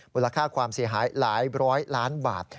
มูลค่าความเสียหายหลายร้อยล้านบาท